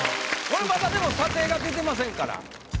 これまだ査定が出てませんから。